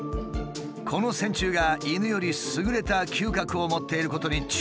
この線虫が犬より優れた嗅覚を持っていることに注目。